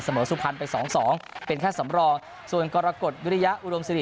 เสมอสุภัณฑ์ไปสองสองเป็นแค่สำรองส่วนกรกฎยุฤยาอุรมสิริ